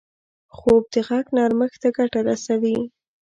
خوب د غږ نرمښت ته ګټه رسوي